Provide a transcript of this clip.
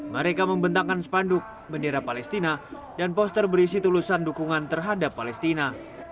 mereka membentangkan spanduk bendera palestina dan poster berisi tulisan dukungan terhadap palestina